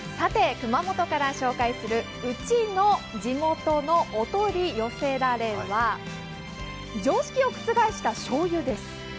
熊本から紹介する「ウチの地元のお取り寄せられ」は常識を覆したしょうゆです。